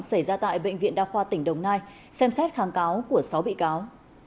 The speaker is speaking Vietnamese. xảy ra tại bệnh viện đa khoa tỉnh đồng nai xem xét kháng cáo của sáu bị cáo